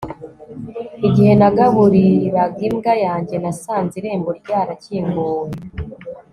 igihe nagaburiraga imbwa yanjye, nasanze irembo ryarakinguwe